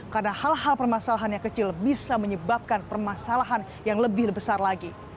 karena hal hal permasalahan yang kecil bisa menyebabkan permasalahan yang lebih besar lagi